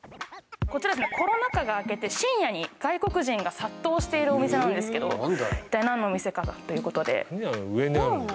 こちらコロナ禍が明けて深夜に外国人が殺到しているお店なんですけど一体何のお店かということで何あの上にあるの？